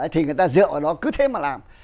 thì người ta dựa vào đó cứ thế mà làm